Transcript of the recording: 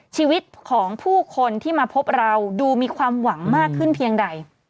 ชีวิตของผู้คนที่มาพบเราดูมีความหวังมากขึ้นเพียงใด